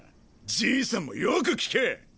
じいさんもよく聞け！